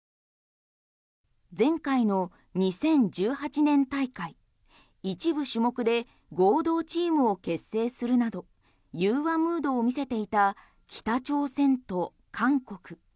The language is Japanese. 前回の２０１８年大会一部種目で合同チームを結成するなど融和ムードを見せていた北朝鮮と韓国。